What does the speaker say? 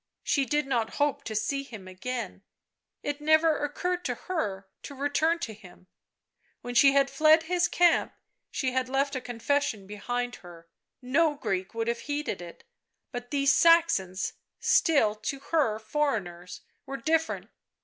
She did not hope to see him again; it never occurred to her to return to him ; when she had fled his camp she had left a con fession behind her — no Greek would have heeded it, but these Saxons, still, to her, foreigners, were different.